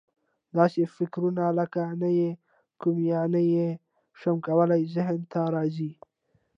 داسې فکرونه لکه: نه یې کوم یا نه یې شم کولای ذهن ته راځي.